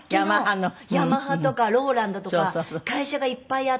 ヤマハとかローランドとか会社がいっぱいあって。